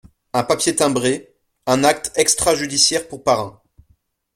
Un papier timbré, un acte extra-judiciaire pour parrain.